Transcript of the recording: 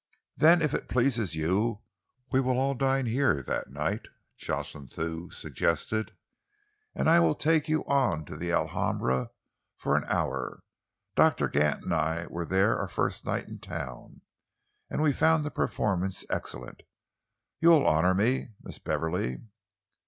"Then if it pleases you we will all dine here that night," Jocelyn Thew suggested, "and I will take you on to the Alhambra for an hour. Doctor Gant and I were there our first night in town, and we found the performance excellent. You will honour me, Miss Beverley?"